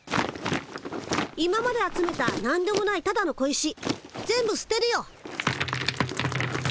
今まで集めたなんでもないただの小石全部すてるよ。